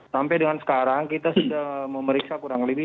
sampai dengan sekarang kita sudah memeriksa kurang lebih